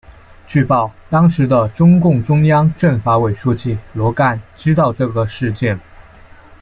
据报当时的中共中央政法委书记罗干知道这个事件。